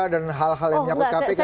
dan hal hal yang menyambut kpk